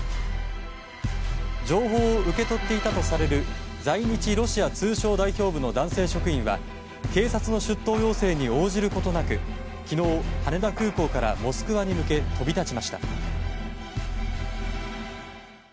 情報を受け取っていたとされる在日ロシア通商代表部の男性職員は警察の出頭要請に応じることなく昨日羽田空港からモスクワに向け飛び立ちました。